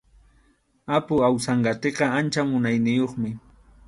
Apu Awsanqatiqa ancha munayniyuqmi.